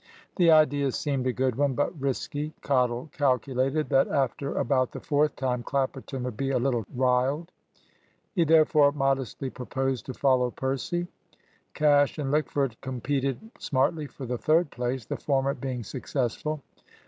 The idea seemed a good one, but risky. Cottle calculated that after about the fourth time Clapperton would be a little riled. He therefore modestly proposed to follow Percy. Cash and Lickford competed smartly for the third place, the former being successful.